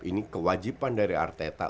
ini kewajiban dari arteta